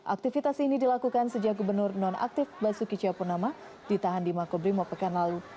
aktivitas ini dilakukan sejak gubernur non aktif basuki chiawpunama ditahan di makobrimo pekan lalu